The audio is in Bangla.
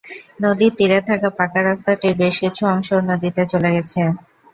নদীর তীরে থাকা পাকা রাস্তাটির বেশ কিছু অংশও নদীতে চলে গেছে।